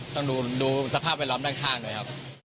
แต่ดูสภาพเป็นร้อนด้านข้างด้วยครับ